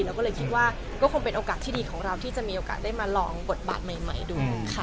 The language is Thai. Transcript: เราก็เลยคิดว่าก็คงเป็นโอกาสที่ดีของเราที่จะมีโอกาสได้มาลองบทบาทใหม่ดูค่ะ